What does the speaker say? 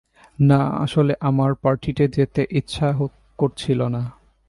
না, আসলে আমার পার্টিতে যেতে ইচ্ছা করছিল না।